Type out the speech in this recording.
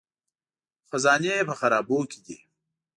خزانې په خرابو کې دي